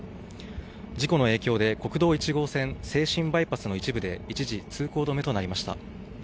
事故の影響で、国道１号線静清バイパスの一部で一時通行止めとなりました。